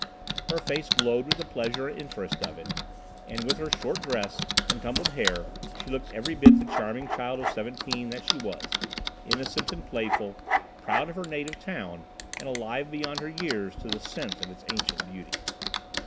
Her face glowed with the pleasure and interest of it, and with her short dress and tumbled hair she looked every bit the charming child of seventeen that she was, innocent and playful, proud of her native town, and alive beyond her years to the sense of its ancient beauty.